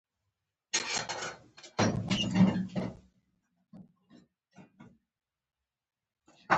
کاش چې دده تنباکو د دودولو پر ځای.